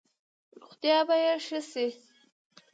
روغتیا به ښه شي؟